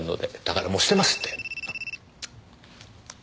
だからもうしてますって。